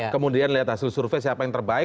kemudian lihat hasil survei siapa yang terbaik